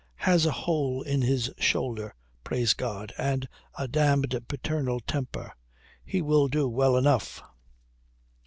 "Has a hole in his shoulder, praise God, and a damned paternal temper. He will do well enough."